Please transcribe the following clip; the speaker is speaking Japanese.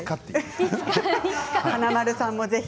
華丸さんもぜひ。